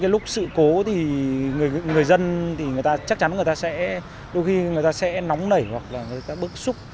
lúc sự cố thì người dân chắc chắn người ta sẽ đôi khi người ta sẽ nóng nảy hoặc là người ta bức xúc